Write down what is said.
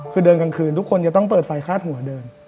คือเดินกลางคืนทุกคนจะต้องเปิดไฟคาดหัวเดิน